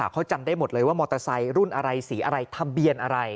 เขาจำได้หมดเลยว่ามอเตอร์ไซค์รุ่นอะไรสีอะไรทะเบียนอะไร